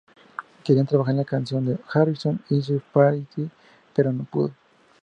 Quería trabajar en la canción de Harrison "Isn't It a Pity", pero no pudo.